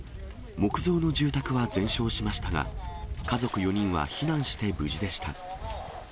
木造の住宅は全焼しましたが、家族４人は避難して無事でした。